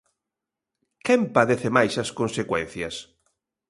¿Quen padece máis as consecuencias?